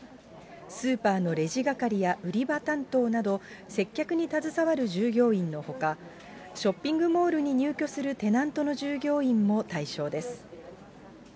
スーパーのレジ係や売り場担当など、接客に携わる従業員のほか、ショッピングモールに入居するテナントの従業員も対象です。